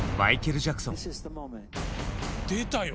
出たよ！